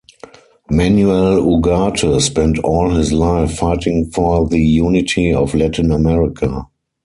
Manuel Ugarte spent all his life fighting for the unity of Latin America.